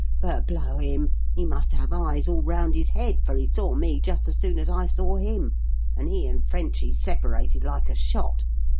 But, blow him! he must have eyes all round his head, for he saw me just as soon as I saw him, and he and Frenchy separated like a shot.